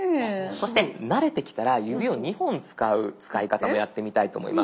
そして慣れてきたら指を２本使う使い方もやってみたいと思います。